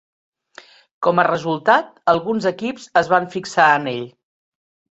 Com a resultat, alguns equips es van fixar en ell.